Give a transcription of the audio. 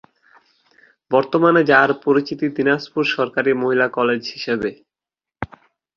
বর্তমানে যার পরিচিতি দিনাজপুর সরকারি মহিলা কলেজ হিসেবে।